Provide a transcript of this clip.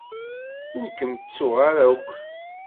Ur kem-ttuɣ ara akk.